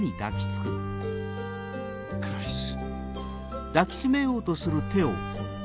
クラリス！